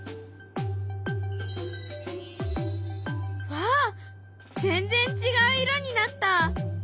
わあ全然違う色になった！